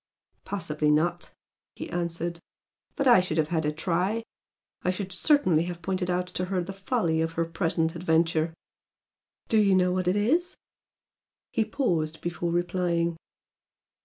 "Possibly not!" he answered "But I should have had a try! I should certainly have pointed out to her the folly of her present adventure." "Do you know what it is?" He paused before replying.